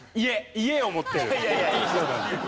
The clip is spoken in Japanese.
家を持ってる！